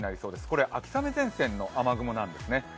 これ秋雨前線の雨雲なんですね。